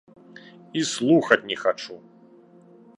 І слухаць не хачу!